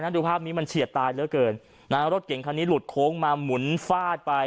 ดูภาพนี้มันเฉียดตายเหลือเกินนะฮะรถเก่งคันนี้หลุดโค้งมาหมุนฟาดไป